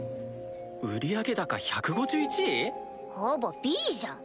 売上高１５１位⁉ほぼビリじゃん。